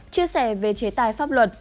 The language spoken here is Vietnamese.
chia sẻ về chế tài pháp luật